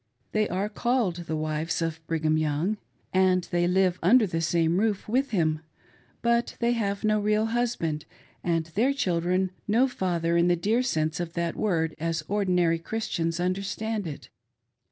'They are called the wives of Brigham Young, and they live under the same rOof with him ; but they have no real husband, and their children no father in the dear sense of that word as ordinary Chris tians understand it.